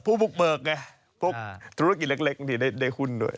ผู้บุกเบิกไงพวกธุรกิจเล็กบางทีได้หุ้นด้วย